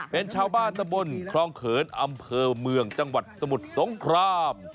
เป็นชาวบ้านตะบนคลองเขินอำเภอเมืองจังหวัดสมุทรสงคราม